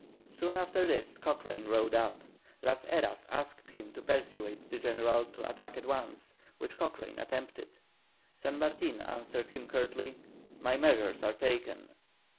Soon after this Cochrane rode up. Las Heras asked him to persuade the General to attack at once, which Cochrane attempted. San Martin answered him curtly: "My measures are taken."